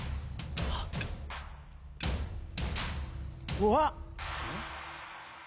うわっ！